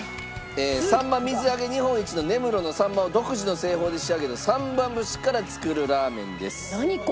さんま水揚げ日本一の根室のさんまを独自の製法で仕上げたさんま節から作るラーメンです。